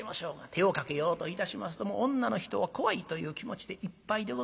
手をかけようといたしますともう女の人は怖いという気持ちでいっぱいでございます。